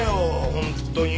本当に。